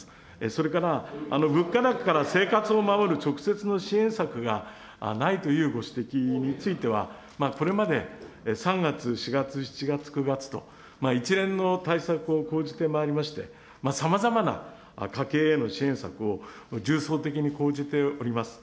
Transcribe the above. それから、物価高から生活を守る直接の支援策がないというご指摘については、これまで３月、４月、７月、９月と、一連の対策を講じてまいりまして、さまざまな家計への支援策を重層的に講じております。